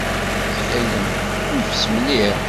Ttxil-m, neffes mliḥ.